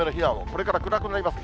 これから暗くなります。